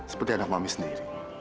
seperti anak mami sendiri